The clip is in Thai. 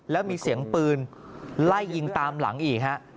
แล้วมีเสียงปืนไล่ยิงตามหลังอีกฮะ